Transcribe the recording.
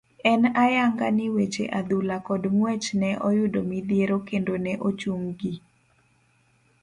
En ayanga ni weche adhula kod ngwech ne oyudo midhiero kendo ne ochung' gi.